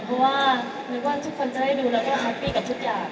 เพราะว่าอยากทุกคนจะได้ดูแล้วครับพีสกับทุกอย่าง